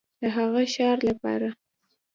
د هغه ښار لپاره